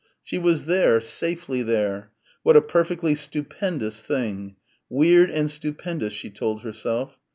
She was there, safely there what a perfectly stupendous thing "weird and stupendous" she told herself.